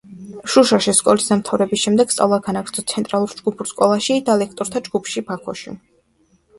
შუშაში სკოლის დამთავრების შემდეგ სწავლა განაგრძო ცენტრალურ ჯგუფურ სკოლაში და ლექტორთა ჯგუფში ბაქოში.